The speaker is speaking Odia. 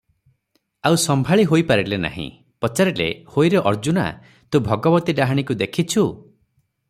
ଆଉ ସମ୍ଭାଳି ହୋଇ ପାରିଲେ ନାହିଁ, ପଚାରିଲେ, "ହୋଇରେ ଅର୍ଜୁନା, ତୁ ଭଗବତୀ ଡାହାଣୀକୁ ଦେଖିଛୁ?"